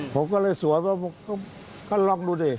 ผมก็เลยสวยว่าก็ลองดูดิ